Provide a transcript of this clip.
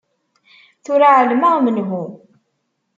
Tura ɛelmeɣ menhu.